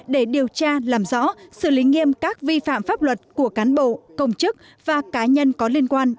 để điều tra làm rõ xử lý nghiêm các vi phạm pháp luật của cán bộ công chức và cá nhân có liên quan